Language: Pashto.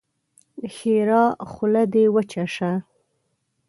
ښېرا: خوله دې وچه شه!